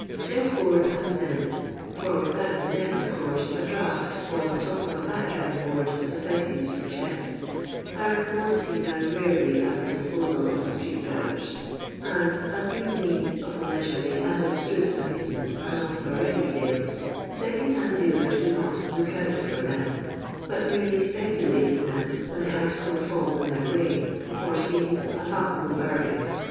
Cheas boards and men — for without the men of LONDON LABOUR AND THE LONDON POOJL 17 course a draught, or the top of a backgammon board luffices for chess — are a commodity DOW rarely at the disposal of the stree^selIer8 ; and, aa these means of a leisurely and abstruse amusement are not of a ready sale, the second band dealers do not "look out" for them, but merely speculate in them when the article " falls in their way" and seems a palpable bargain.